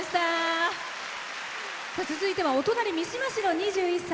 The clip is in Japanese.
続いてはお隣、三島市の２１歳。